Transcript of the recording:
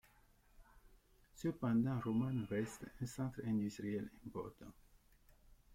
Cependant, Roman reste un centre industriel important.